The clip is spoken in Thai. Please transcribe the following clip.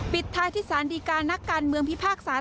ปิดท้ายที่สารดีการนักการเมืองพิพากษา